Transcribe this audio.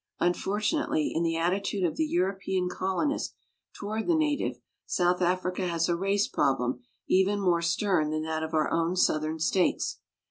Unfortunately, in the attitude of the Euro pean colonist toward the native, South Africa has a race problem even more stern than that of our own Southern states.